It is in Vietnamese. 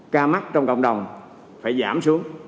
ca mắc trong cộng đồng phải giảm xuống